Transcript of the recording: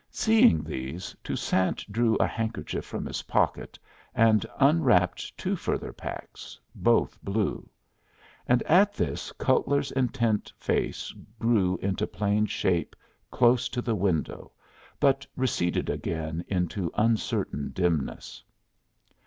Seeing these, Toussaint drew a handkerchief from his pocket, and unwrapped two further packs, both blue; and at this Cutler's intent face grew into plain shape close to the window, but receded again into uncertain dimness.